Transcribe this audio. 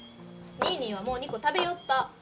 ニーニーはもう２個食べよった。